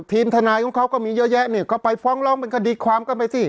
ทีมทนายของเขาก็มีเยอะแยะเนี่ยก็ไปฟ้องร้องเป็นคดีความกันไปสิ